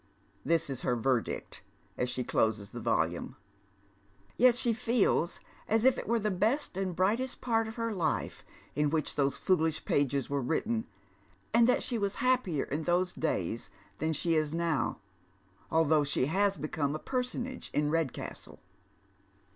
" This is her verdict as she closes the volume ; yet she feels as if it were the best and brightest part of her life in which those foolish pages were written, and that she was happier in those days than she is now, although she has become a personage in Redcastle.